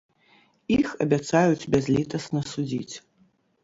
Іх абяцаюць бязлітасна судзіць.